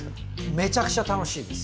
めちゃくちゃ楽しいです。